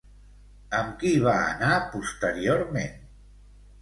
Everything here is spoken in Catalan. Amb qui va anar posteriorment?